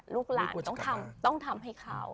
ลูกหลานต้องทำให้เขา